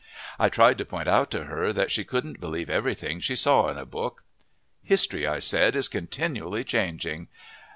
I tried to point out to her that she couldn't believe everything she saw in a book. "History," I said, "is continually changing.